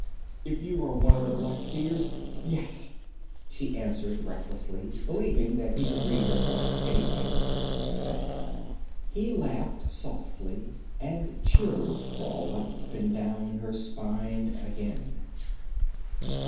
'If you are one of the Black Seers yes!' she answered recklessly, believing that he could read her thoughts anyway. He laughed softly, and chills crawled up and down her spine again.